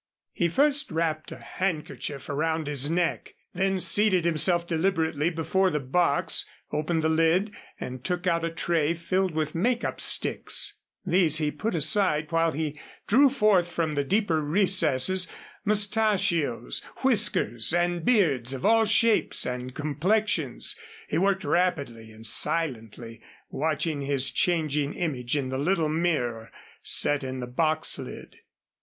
He first wrapped a handkerchief around his neck, then seated himself deliberately before the box, opened the lid and took out a tray filled with make up sticks. These he put aside while he drew forth from the deeper recesses mustachios, whiskers and beards of all shapes and complexions. He worked rapidly and silently, watching his changing image in the little mirror set in the box lid.